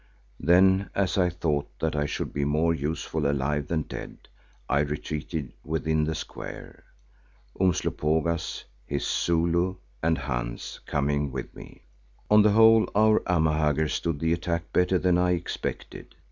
Then, as I thought that I should be more useful alive than dead, I retreated within the square, Umslopogaas, his Zulu, and Hans coming with me. On the whole our Amahagger stood the attack better than I expected.